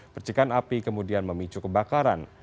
percikan api kemudian memicu kebakaran